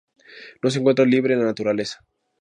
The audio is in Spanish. No se encuentra libre en la naturaleza.